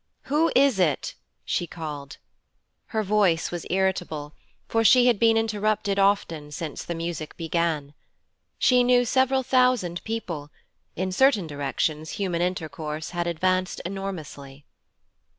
'Who is it?' she called. Her voice was irritable, for she had been interrupted often since the music began. She knew several thousand people, in certain directions human intercourse had advanced enormously.